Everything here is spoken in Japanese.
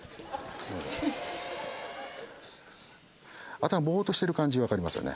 頭ぼっとしてる感じ分かりますよね。